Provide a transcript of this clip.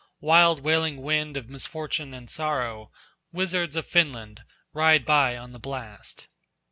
Wild wailing wind of misfortune and sorrow, Wizards of Finland ride by on the blast.